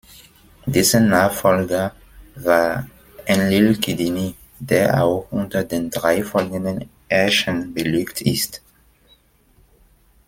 Dessen Nachfolger war Enlil-kidinni, der auch unter den drei folgenden Herrschern belegt ist.